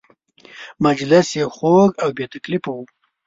مجلس یې خوږ او بې تکلفه و.